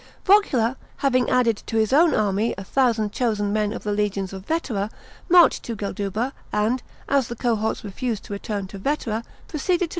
Vocula, having added to his own army a thousand chosen men of the legions of Veteia, marched to Gelduba, and, as the cohorts refused to return to Vetera, proceeded to